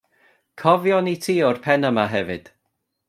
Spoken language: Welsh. Cofion i ti o'r pen yma hefyd.